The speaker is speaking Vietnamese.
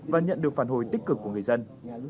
và nhận được phản hồi tích cực của người dân